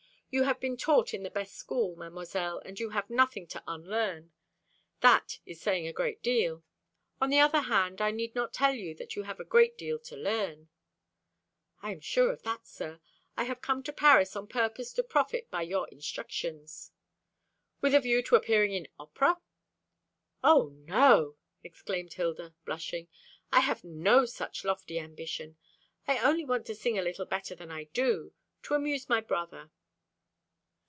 You have been taught in the best school, Mademoiselle, and you have nothing to unlearn. That is saying a great deal. On the other hand, I need not tell you that you have a great deal to learn." "I am sure of that, sir. I have come to Paris on purpose to profit by your instructions." "With a view to appearing in opera?" "O, no," exclaimed Hilda, blushing; "I have no such lofty ambition. I only want to sing a little better than I do to amuse my brother."